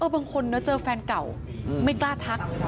บางคนเจอแฟนเก่าไม่กล้าทัก